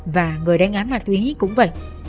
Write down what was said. và người đánh án ma túy cũng vậy